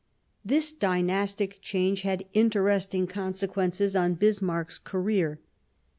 This dj nastic change had interesting consequences on Bismarck's career.